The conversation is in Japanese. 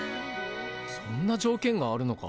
そんな条件があるのか？